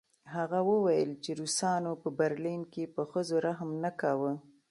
هغه وویل چې روسانو په برلین کې په ښځو رحم نه کاوه